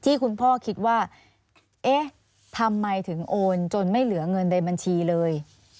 คุณพ่อคิดว่าเอ๊ะทำไมถึงโอนจนไม่เหลือเงินในบัญชีเลย